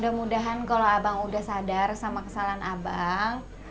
kemudahan kalo abang udah sadar sama kesalahan abang